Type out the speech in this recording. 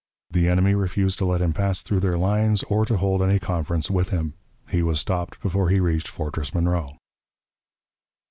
The enemy refused to let him pass through their lines or to hold any conference with him. He was stopped before he reached Fortress Monroe.